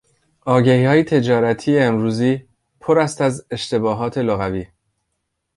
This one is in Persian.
آگهیهای تجارتی امروزی پر است از اشتباهات لغوی.